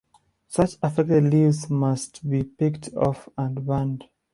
Such affected leaves must be picked off and burned.